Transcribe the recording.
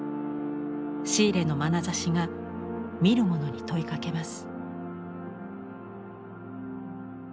シーレのまなざしが見る者に問いかけます。